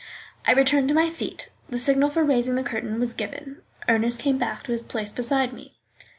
I returned to my seat. The signal for raising the curtain was given. Ernest came back to his place beside me.